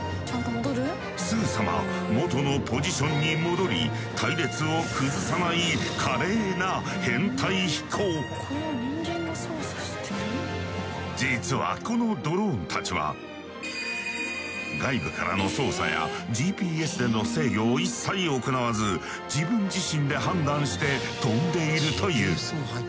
すぐさま元のポジションに戻り隊列を崩さない実はこのドローンたちは外部からの操作やＧＰＳでの制御を一切行わず自分自身で判断して飛んでいるという。